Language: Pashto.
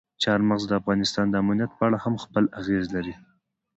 چار مغز د افغانستان د امنیت په اړه هم خپل اغېز لري.